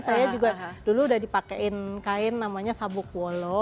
saya juga dulu udah dipakaiin kain namanya sabuk wolo